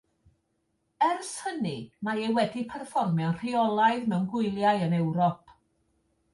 Ers hynny, mae e wedi perfformio'n rheolaidd mewn gwyliau yn Ewrop